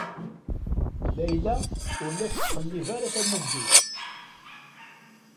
Layla ur la tettqellib ara tamuggit.